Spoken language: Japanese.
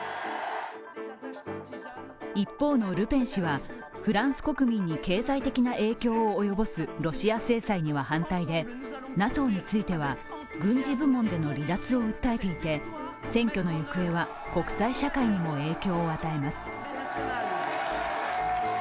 一方のルペン氏は、フランス国民に経済的な影響を及ぼすロシア制裁には反対で、ＮＡＴＯについては軍事部門での離脱を訴えていて選挙の行方は国際社会にも影響を与えます。